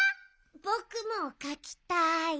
ぼくもかきたい。